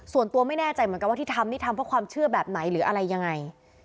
ส่วนตัวไม่แน่ใจเหมือนกันว่าที่ทำนี่ทำเพราะความเชื่อแบบไหนหรืออะไรยังไง